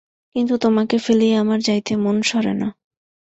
কিন্তু তোমাকে ফেলিয়া আমার যাইতে মন সরে না।